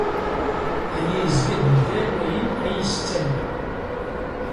Aya yezga-d mgal wayen ayyes ttamneɣ.